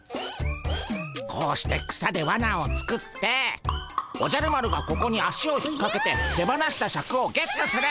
こうして草でわなを作っておじゃる丸がここに足を引っかけて手放したシャクをゲットする。